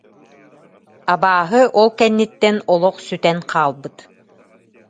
Абааһы ол кэнниттэн олох сүтэн хаалбыт